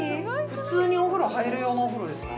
普通にお風呂入る用のお風呂ですか？